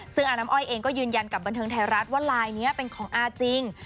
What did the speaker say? ซึ่งอาน้ำอ้อยเองก็ยืนยันกับบันเทิงไทยรัฐว่าลายนี้เป็นของอาจริง